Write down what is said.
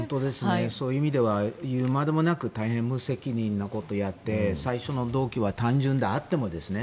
そういう意味では言うまでもなく大変無責任なことをやって最初の動機は単純であってもですね。